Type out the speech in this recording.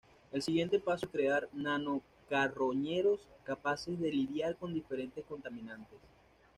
El siguiente paso es crear nano-carroñeros capaces de lidiar con diferentes contaminantes.